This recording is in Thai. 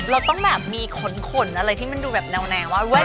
เราต้องแบบมีขนอะไรที่มันดูแบบแนวว่า